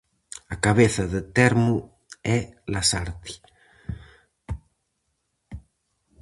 A cabeza de termo é Lasarte.